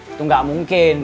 itu gak mungkin